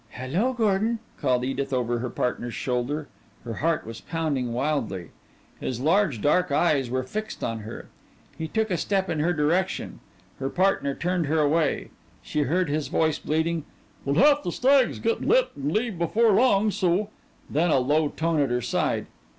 "Hello, Gordon," called Edith over her partner's shoulder. Her heart was pounding wildly. His large dark eyes were fixed on her. He took a step in her direction. Her partner turned her away she heard his voice bleating " but half the stags get lit and leave before long, so " Then a low tone at her side.